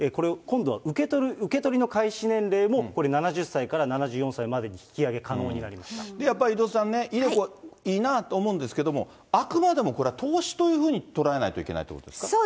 今度は受け取りの開始時期もこれ、７０歳から７４歳までに引やっぱり井戸さん、ｉＤｅＣｏいいなと思うんですけれども、あくまでこれは投資というふうに捉えないといけないということですか。